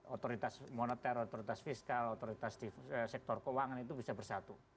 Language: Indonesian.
otoritas moneter otoritas fiskal otoritas di sektor keuangan itu bisa bersatu